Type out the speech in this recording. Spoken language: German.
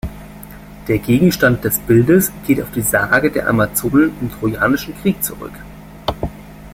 Der Gegenstand des Bildes geht auf die Sage der Amazonen im Trojanischen Krieg zurück.